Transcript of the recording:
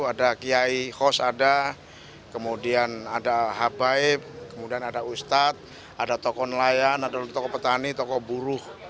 ada kiai khos ada kemudian ada habaib kemudian ada ustadz ada tokoh nelayan ada tokoh petani tokoh buruh